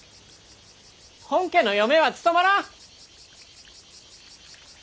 本家の嫁は務まらん！